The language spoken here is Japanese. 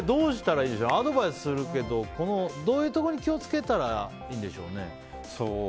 アドバイスするけどどういうところに気を付けたらいいんでしょうね？